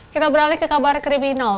kita beralih ke kabar kriminal